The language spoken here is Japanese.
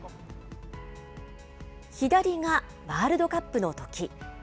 左がワールドカップのとき。